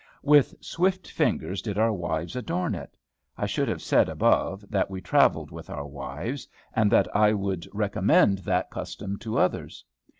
With swift fingers did our wives adorn it. I should have said above, that we travelled with our wives, and that I would recommend that custom to others.